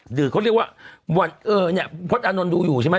หรือเขาเรียกว่าวันเออเนี่ยพลตอานนท์ดูอยู่ใช่ไหม